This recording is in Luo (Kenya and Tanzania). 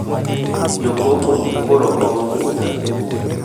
Jo komo koro komo putha.